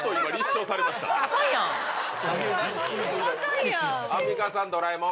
・アカンやん・アンミカさんドラえもん。